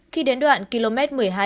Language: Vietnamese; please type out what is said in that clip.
khi đến đoạn km một mươi hai ba trăm linh